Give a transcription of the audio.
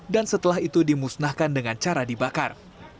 dan setelah itu dimusnahkan dengan cara dibakar